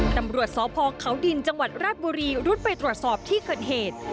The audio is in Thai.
ตำรวจสพเขาดินจังหวัดราชบุรีรุดไปตรวจสอบที่เกิดเหตุ